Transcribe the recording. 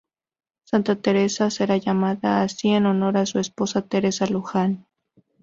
Santa Teresa será llamada así en honor a su esposa Teresa Luján.